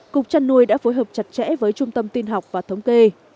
cục chăn nuôi đã phối hợp chặt chẽ với trung tâm tiên học và thống kê